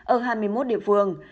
ở hai mươi một địa phương